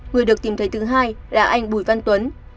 người được tìm thấy thứ hai là anh bùi văn tuấn